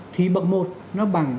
thì bậc một nó bằng chín mươi hai